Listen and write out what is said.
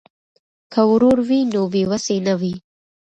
که ورور وي نو بې وسی نه وي.